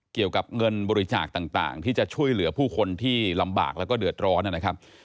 เกี่ยวกับเงินบริจาคต่างที่จะช่วยเหลือผู้คนที่ลำบากแล้วก็เดือดร้อนนะครับ